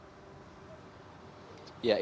apa yang sudah berwareng